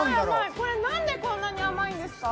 これ、何でこんなに甘いんですか？